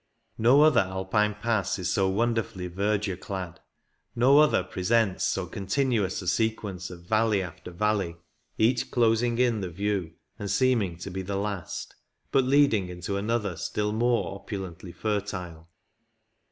No other Alpine Pass is so wonderfully verdure clad; no otherpresents so continuous a sequence of valley after valley, each closing in the view and seeming to be the last, but leading into another still more opulently fertile.